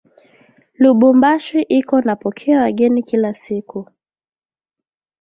Lubumbashi iko napokea wageni kila siku